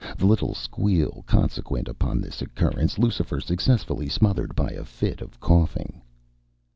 The little squeal consequent upon this occurrence Lucifer successfully smothered by a fit of coughing.